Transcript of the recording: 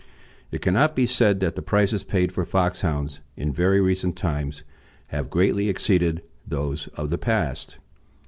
It cannot be said that the prices paid for Foxhounds in very recent times have greatly exceeded those of the past.